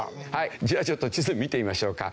じゃあちょっと地図見てみましょうか。